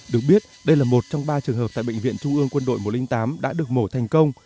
được biết đây là một trong ba trường hợp tại bệnh viện trung ương quân đội một trăm linh tám đã được mổ thành công